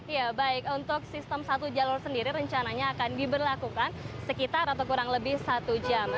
ya baik untuk sistem satu jalur sendiri rencananya akan diberlakukan sekitar atau kurang lebih satu jam